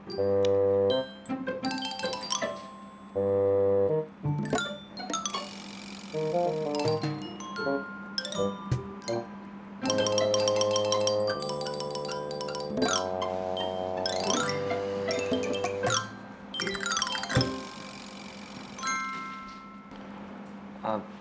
ลุง